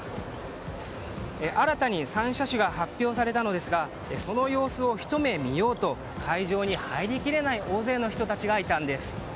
新たに３車種が発表されたのですがその様子をひと目見ようと会場に入りきれない大勢の人たちがいたんです。